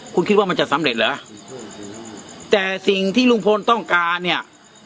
คุณคิดว่ามันจะสำเร็จเหรอแต่สิ่งที่ลุงพลต้องการเนี่ย